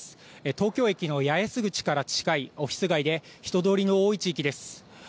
東京駅の八重洲口から近いオフィス街で人通りの多い地域です。